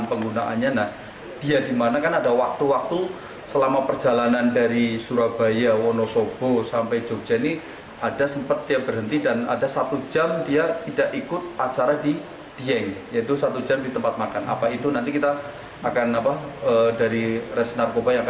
yaitu satu jam di tempat makan apa itu nanti kita akan dari resi narkoba yang akan mendalami untuk penggunaan narkobanya ini